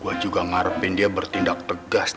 gue juga ngarepin dia bertindak tegas